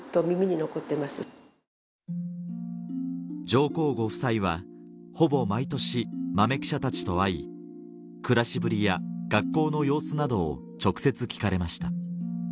上皇ご夫妻はほぼ毎年豆記者たちと会い暮らしぶりや学校の様子などを直接聞かれました